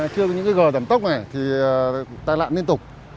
chưa có những gờ giảm tốc này thì tai nạn liên tục